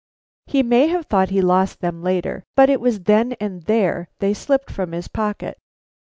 He may have thought he lost them later, but it was then and there they slipped from his pocket.